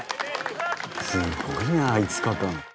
すごいな５日間。